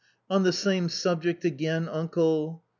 " On the same subject again, uncle